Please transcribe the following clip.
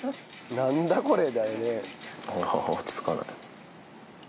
「何だこれ！」だよね。